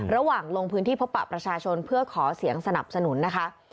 ลงพื้นที่พบปะประชาชนเพื่อขอเสียงสนับสนุนนะคะ